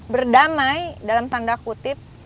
berdamai dalam tanda kutip